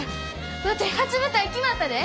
ワテ初舞台決まったで！